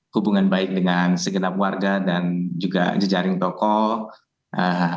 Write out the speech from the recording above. hubungan baik dengan segenap warga dan juga jejaring toko